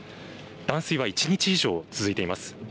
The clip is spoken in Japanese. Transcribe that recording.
断水は一日以上、続いています。